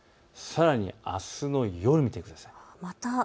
さらにあすの夜を見てください。